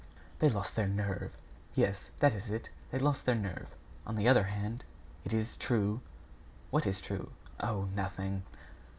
'" "They lost their nerve." "Yes, that is it they lost their nerve...On the other hand, it is true " "What is true?" "Oh! nothing."